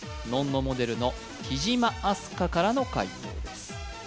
ｎｏｎ−ｎｏモデルの貴島明日香からの解答です